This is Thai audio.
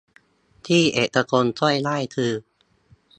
ที่เอกชนช่วยได้คือ